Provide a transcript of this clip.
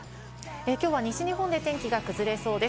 きょうは西日本で天気が崩れそうです。